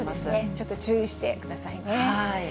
ちょっと注意してくださいね。